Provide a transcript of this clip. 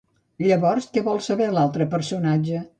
Llavors, què vol saber l'altre personatge?